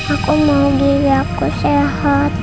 aku mau diri aku sehat